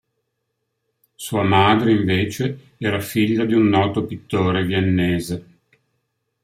Sua madre, invece, era figlia di un noto pittore viennese.